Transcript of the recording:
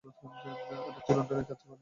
আরে তুই লন্ডনে এত আত্মীয় বানিয়েছিস।